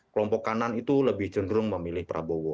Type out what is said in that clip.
kelompok kanan itu lebih cenderung memilih prabowo